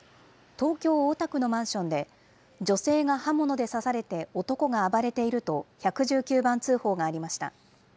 東京・大田区のマンションで、女性が刃物で刺されて、男が暴れていると１１９番通報がありました。